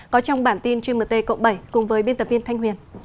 có trong bản tin gmt cộng bảy cùng với biên tập viên thanh huyền